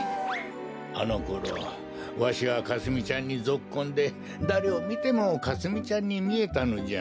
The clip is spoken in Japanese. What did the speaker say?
あのころわしはかすみちゃんにぞっこんでだれをみてもかすみちゃんにみえたのじゃ。